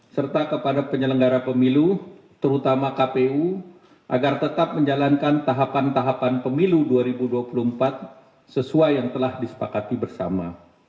serta kepada penyelenggara pemilu terutama kpu agar tetap menjalankan tahapan tahapan pemilu dua ribu dua puluh empat sesuai yang telah disepakati bersama